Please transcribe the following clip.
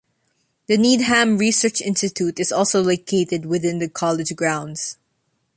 The Needham Research Institute is also located within the college grounds.